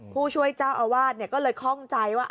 ผู้ช่วยเจ้าอาวาสก็เลยคล่องใจว่า